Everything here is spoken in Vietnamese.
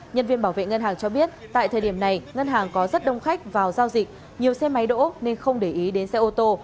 nhân viên bảo vệ ngân hàng cho biết tại thời điểm này ngân hàng có rất đông khách vào giao dịch